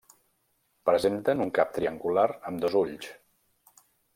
Presenten un cap triangular amb dos ulls.